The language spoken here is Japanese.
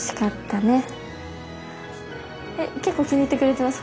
えっ結構気に入ってくれてます